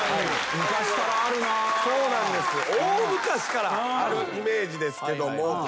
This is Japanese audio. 大昔からあるイメージですけども。